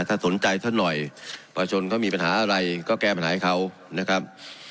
ถ้าสนใจท่านหน่อยประชนเขามีปัญหาอะไรก็แก้ปัญหาให้เขานะครับ